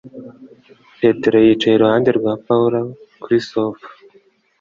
Petero yicaye iruhande rwa Pawulo kuri sofa